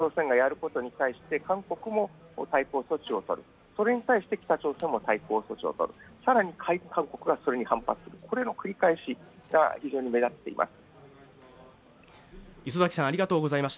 北朝鮮がやることに対して韓国も対抗措置をとるそれに対して北朝鮮も対抗措置をとる、更に韓国がそれに反発するというこれの繰り返しが非常に目立っています。